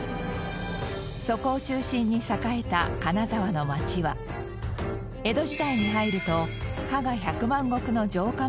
そこを中心に栄えた金沢の町は江戸時代に入ると加賀百万石の城下町として発展。